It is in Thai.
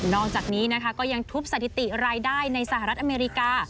อกจากนี้นะคะก็ยังทุบสถิติรายได้ในสหรัฐอเมริกา